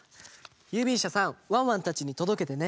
ゆうびんしゃさんワンワンたちにとどけてね。